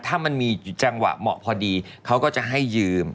เขาก็จะให้มีจังหวะเหมาะพอดีเขาก็จะให้ยืม